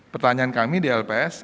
pertanyaan kami di lps